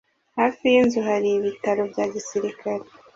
Hafi yinzu hari ibitaro bya gisirikare.